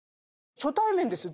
初対面ですよ。